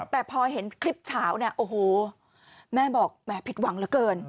แต่พอเห็นคลิปเฉาแม่บอกไม่คิดหวังเหลือเกิน